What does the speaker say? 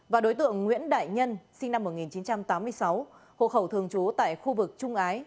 và đối tượng nguyễn đại nhân sinh năm một nghìn chín trăm tám mươi sáu hộ khẩu thường trú tại khu vực trung ái